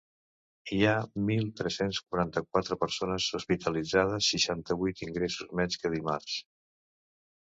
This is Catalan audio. Hi ha mil tres-cents quaranta-quatre persones hospitalitzades, seixanta-vuit ingressos menys que dimarts.